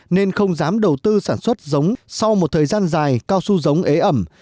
nên không dám đầu tư sản xuất giống sau một thời gian dài cao su giống ế ẩm